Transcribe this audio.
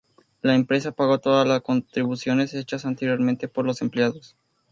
La empresa pagó todas las contribuciones hechas anteriormente por los empleados.